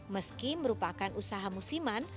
meski merupakan usaha musiman